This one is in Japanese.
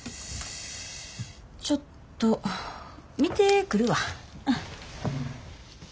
ちょっと見てくるわ。